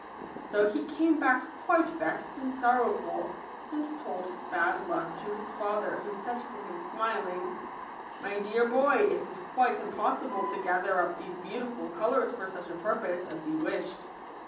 So \\ he came back quite vexed and sorrowful, and told his bad luck to his father, who said to him, smiling, " My dear boy, it is quite impossible to gather up these beautiful co lours for such a purpose as you wished.